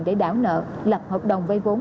để đảo nợ lập hợp đồng vây vốn